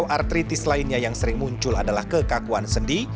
artritis lainnya yang sering muncul adalah kekakuan sendi